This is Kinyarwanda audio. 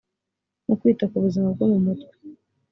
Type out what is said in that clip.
mu kwita ku buzima bwo mu mutwe